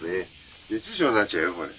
熱中症になっちゃうよこれ。